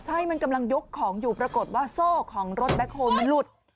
ใช่มันกำลังยกของอยู่ปรากฏว่าโซ่ของรถแบ็คโฮลมันหลุด